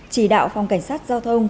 chỉ đạo phòng cảnh sát giao thông